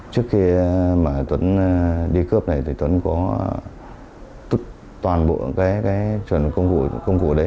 trước khi tuấn đi cướp này tuấn có toàn bộ công cụ đấy